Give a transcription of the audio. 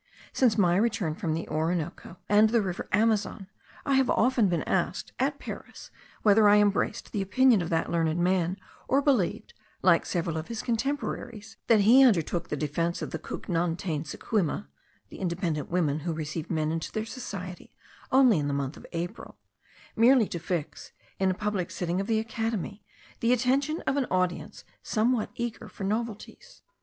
Since my return from the Orinoco and the river Amazon, I have often been asked, at Paris, whether I embraced the opinion of that learned man, or believed, like several of his contemporaries, that he undertook the defence of the Cougnantainsecouima (the independent women who received men into their society only in the month of April), merely to fix, in a public sitting of the Academy, the attention of an audience somewhat eager for novelties.